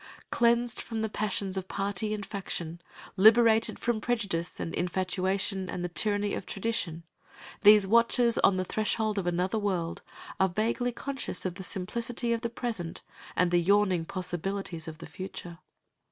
Cleansed from the passions of party and faction, liberated from prejudice and infatuation and the tyranny of tradition, these watchers on the threshold of another world are vaguely conscious of the simplicity of the present and the yawning possibilities of the future.